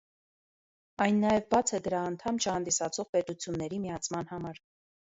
Այն նաև բաց է դրա անդամ չհանդիսացող պետությունների միացման համար։